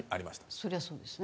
そりゃそうですね。